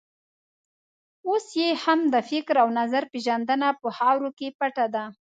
اوس یې هم د فکر او نظر پېژندنه په خاورو کې پټه ده.